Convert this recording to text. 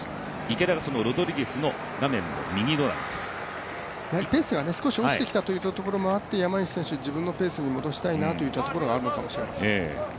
池田がロドリゲスのペースが少し落ちてきたというところもありまして、山西選手、自分のペースに戻したいなというところがあるかもしれません。